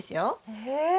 へえ。